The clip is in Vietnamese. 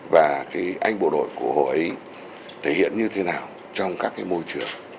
và anh bộ đội của hồ ấy thể hiện như thế nào trong các môi trường